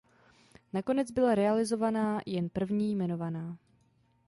Nakonec byla realizovaná jen první jmenovaná.